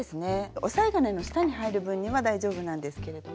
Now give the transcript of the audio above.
押さえ金の下に入る分には大丈夫なんですけれども。